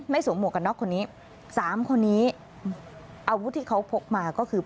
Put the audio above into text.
สวมหวกกันน็อกคนนี้สามคนนี้อาวุธที่เขาพกมาก็คือ